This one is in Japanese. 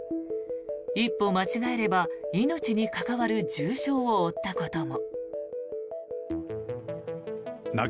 一歩間違えれば命に関わる重傷を負ったことも。